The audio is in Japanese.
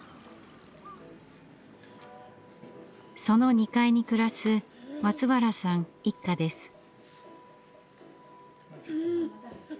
その２階に暮らす松原さん一家です。